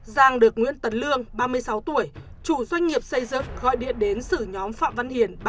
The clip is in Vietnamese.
giang được nguyễn tấn lương ba mươi sáu tuổi chủ doanh nghiệp xây dựng gọi điện đến xử nhóm phạm văn hiền